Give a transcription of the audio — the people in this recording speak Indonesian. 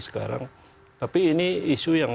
sekarang tapi ini isu yang